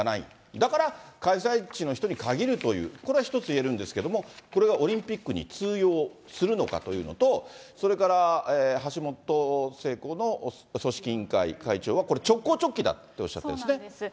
だから開催地の人に限るという、これは一つ言えるんですけども、これがオリンピックに通用するのかというのと、それから橋本聖子組織委員会会長の、これ、直行直帰だっておっしゃってるんですよ。